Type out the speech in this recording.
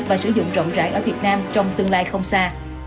và sử dụng rộng rãi ở việt nam trong tương lai không xa